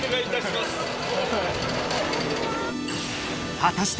［果たして］